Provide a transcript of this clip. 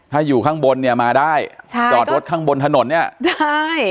ถ้าอยู่ข้างบนเนี่ยมาได้ใช่จอดรถข้างบนถนนเนี่ยได้